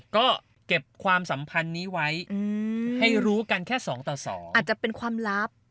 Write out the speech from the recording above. ก็เก็บความสัมพันธ์นี้ไว้ให้รู้กันแค่๒ต่อ๒อาจจะเป็นความลับ